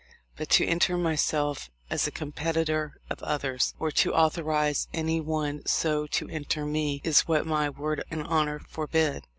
But to enter myself as a competitor of others, or to authorize any one so to enter me, is what my word and honor forbid."